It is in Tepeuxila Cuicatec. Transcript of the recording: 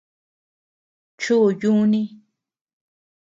Chu yuni.